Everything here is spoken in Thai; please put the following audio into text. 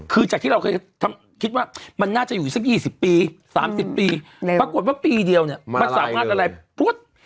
คือจากที่เราเคยคิดว่ามันน่าจะอยู่สัก๒๐ปี๓๐ปีปรากฏว่าปีเดียวมันสามารถละลาย